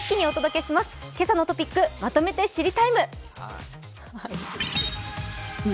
「けさのトピックまとめて知りＴＩＭＥ，」。